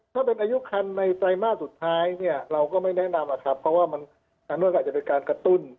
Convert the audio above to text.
ถ้าเป็นอายุคันในไตรมาสสุดท้ายเนี่ยเราก็ไม่แนะนำอะครับเพราะว่ามันอันนวดก็อาจจะเป็นการกระตุ้น